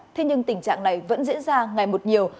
thế nhưng tình trạng này vẫn diễn ra ngày một nhiều